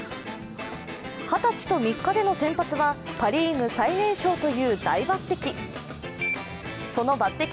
二十歳と３日での先発はパ・リーグ最年少という大抜てき。